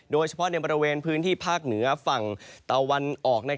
โดยเฉพาะในบริเวณพื้นที่ภาคเหนือฝั่งตะวันออก